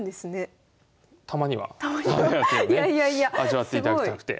味わっていただきたくて。